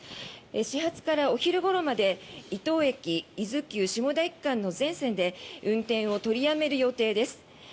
始発からお昼ごろまで伊東駅伊豆急、下田駅間で全線で運転を取りやめる予定です。